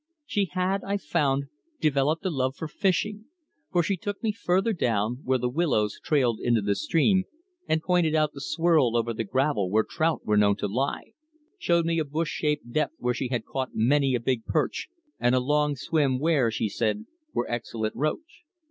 She had, I found, developed a love for fishing, for she took me further down where the willows trailed into the stream, and pointed out the swirl over the gravel where trout were known to lie, showed me a bush shaped depth where she had caught many a big perch, and a long swim where, she said, were excellent roach.